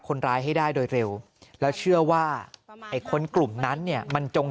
คนร้ายให้ได้โดยเร็วแล้วเชื่อว่าไอ้คนกลุ่มนั้นเนี่ยมันจง